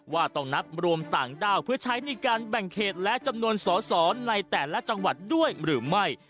ว่าต้องนับรวมต่างด้าวเพื่อใช้ในการแบ่งเขตและจำนวนสอสอในแต่ละจังหวัดด้วยหรือไม่